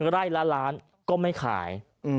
ไร่ละล้านก็ไม่ขาย